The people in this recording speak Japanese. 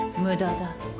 無駄だ。